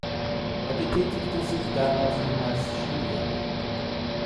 Er betätigte sich daraufhin als Skilehrer.